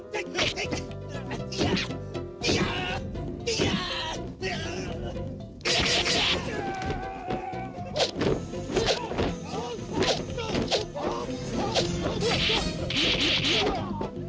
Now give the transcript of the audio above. kau mau mencari mampus